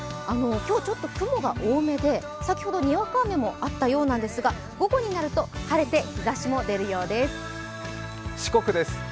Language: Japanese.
今日、ちょっと雲が多めで、先ほどにわか雨もあったようですが、午後になると晴れて日ざしも出るようです。